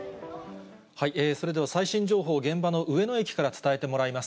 それでは最新情報、現場の上野駅から伝えてもらいます。